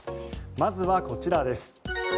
まずはこちらです。